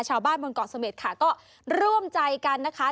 ชาวบ้านบนเกาะเสม็ดค่ะก็ร่วมใจกันนะคะ